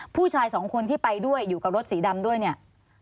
ผู้ชายสองคนที่ไปด้วยอยู่กับรถสีดำด้วยเนี่ย